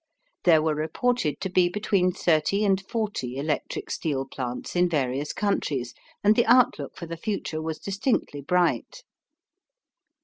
There were reported to be between thirty and forty electric steel plants in various countries, and the outlook for the future was distinctly bright.